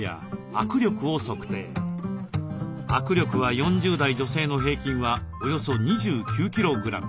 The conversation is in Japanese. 握力は４０代女性の平均はおよそ２９キログラム。